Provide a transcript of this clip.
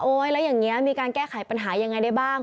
แล้วอย่างนี้มีการแก้ไขปัญหายังไงได้บ้าง